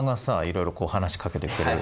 いろいろ話しかけてくれる。